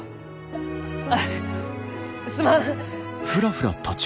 あすまん！